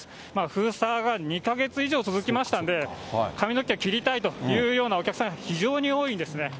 封鎖が２か月以上続きましたんで、髪の毛を切りたいというようなお客さんが非常に多いんですね。